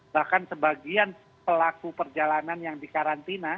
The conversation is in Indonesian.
bahkan sebagian pelaku perjalanan yang di karantina